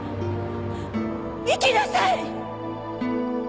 行きなさい！